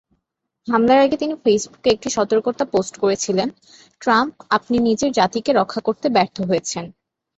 হামলার আগে তিনি ফেসবুকে একটি সতর্কতা পোস্ট করেছিলেন, "ট্রাম্প আপনি নিজের জাতিকে রক্ষা করতে ব্যর্থ হয়েছেন"।